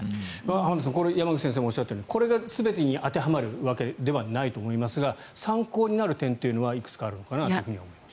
浜田さん山口先生もおっしゃったようにこれが全てに当てはまるわけではないと思いますが参考になる点というのはいくつかあるのかなと思います。